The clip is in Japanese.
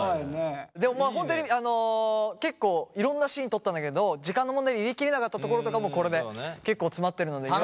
でもまあ本当に結構いろんなシーン撮ったんだけど時間の問題で入れ切れなかったところとかもこれで結構詰まってるので。